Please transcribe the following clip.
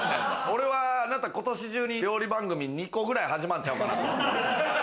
今年中に料理番組２個くらい始まるんちゃうかなと。